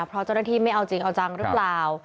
เพราะเจ้าหน้าที่ไม่เอาจริงเอาจังหรือเปล่า